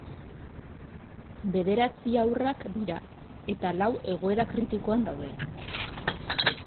Bederatzi haurrak dira eta lau egoera kritikoan daude.